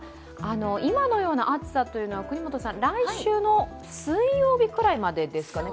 今のような暑さは来週の水曜日くらいまでですかね？